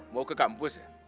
mau ke kampus ya